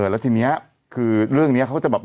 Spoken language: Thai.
แล้วทีนี้คือเรื่องนี้เขาจะแบบ